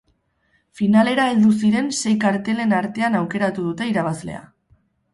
Finalera heldu ziren sei kartelen artean aukeratu dute irabazlea.